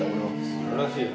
すばらしい。